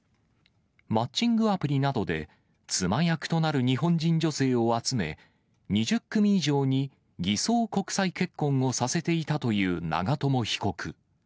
マッチングアプリなどで妻役となる日本人女性を集め、２０組以上に偽装国際結婚をさせていたという長友被告。